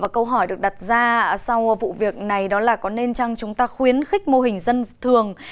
câu hỏi được đặt ra sau vụ việc này đó là có nên chăng chúng ta khuyến khích mô hình dân thường